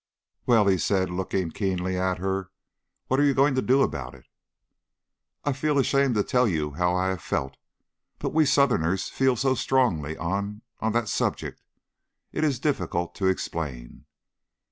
"Well?" he said, looking keenly at her. "What are you going to do about it?" "I am ashamed to tell you how I have felt. But we Southerners feel so strongly on on that subject it is difficult to explain!"